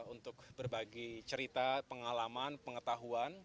untuk berbagi cerita pengalaman pengetahuan